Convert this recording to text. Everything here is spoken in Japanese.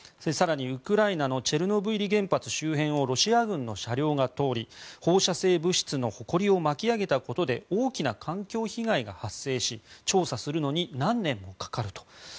更に、ウクライナのチェルノブイリ原発周辺をロシア軍の車両が通り放射性物質のほこりを巻き上げたことで大きな環境被害が発生し調査するのに何年もかかると。